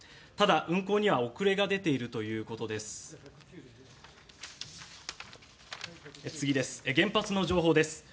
ただ、運行には遅れが出ているということです。